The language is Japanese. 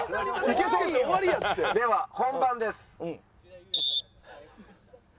では本番です。